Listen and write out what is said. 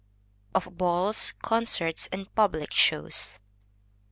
_Of Balls, Concerts, and Public Shows.